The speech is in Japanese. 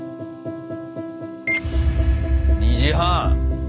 ２時半。